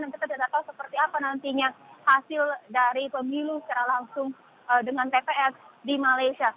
kita tidak tahu seperti apa nantinya hasil dari pemilu secara langsung dengan tps di malaysia